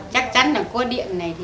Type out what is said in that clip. chắc chắn là có điện này